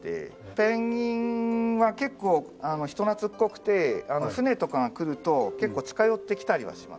ペンギンは結構人懐っこくて船とかが来ると結構近寄ってきたりはします。